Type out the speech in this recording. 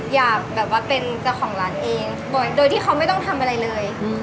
อยากแบบว่าเป็นเจ้าของร้านเองโดยที่เขาไม่ต้องทำอะไรเลย